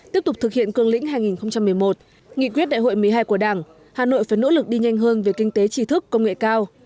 tiếp tục thực hiện cương lĩnh hai nghìn một mươi một nghị quyết đại hội một mươi hai của đảng hà nội phải nỗ lực đi nhanh hơn về kinh tế trí thức công nghệ cao